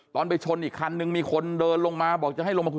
ไปชนอีกคันนึงมีคนเดินลงมาบอกจะให้ลงมาคุย